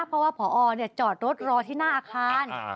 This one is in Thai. เพราะว่าพอจอดรถรอที่หน้าอาคาร